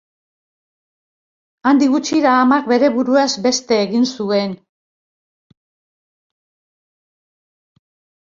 Handik gutxira, amak bere buruaz beste egin zuen.